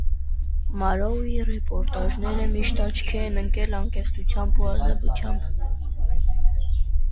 Մարոուի ռեպորտաժները միշտ աչքի են ընկել անկեղծությամբ ու ազնվությամբ։